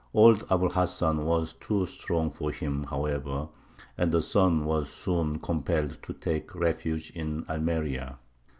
Old Abu l Hasan was too strong for him, however, and the son was soon compelled to take refuge at Almeria.